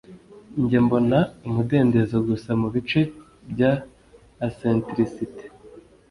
njye mbona umudendezo gusa mubice bya eccentricité